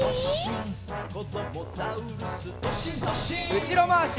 うしろまわし。